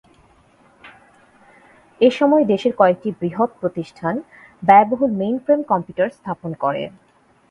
এসময় দেশের কয়েকটি বৃহৎ প্রতিষ্ঠান ব্যয়বহুল মেইনফ্রেম কম্পিউটার স্থাপন করে।